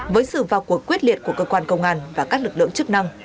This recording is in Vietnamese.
với sự vào cuộc quyết liệt của cơ quan công an và các lực lượng chức năng